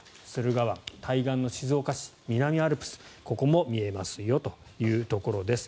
駿河湾、対岸の静岡市南アルプスも見えますよというところです。